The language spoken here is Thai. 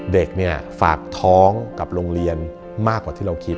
เด็กเนี่ยฝากท้องกับโรงเรียนมากกว่าที่เราคิด